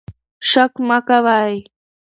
شک مه کوئ.